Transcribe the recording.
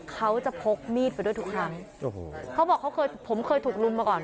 เขาจะพกมีดไปด้วยทุกครั้งโอ้โหเขาบอกเขาเคยผมเคยถูกลุมมาก่อน